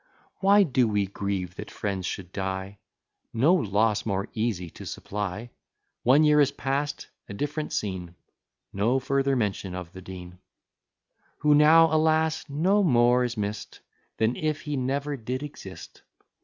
Why do we grieve that friends should die? No loss more easy to supply. One year is past; a different scene! No further mention of the Dean; Who now, alas! no more is miss'd, Than if he never did exist.